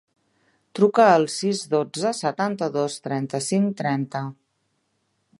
Truca al sis, dotze, setanta-dos, trenta-cinc, trenta.